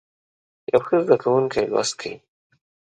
یو ښه زده کوونکی لوست کوي.